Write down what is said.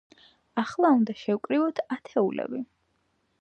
ახლა უნდა შევკრიბოთ ათეულები.